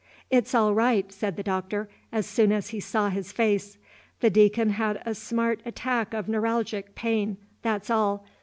"It's all right," said the Doctor, as soon as he saw his face. "The Deacon had a smart attack of neuralgic pain. That 's all.